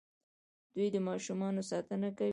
دوی د ماشومانو ساتنه کوي.